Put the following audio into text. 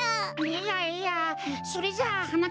いやいやそれじゃあはな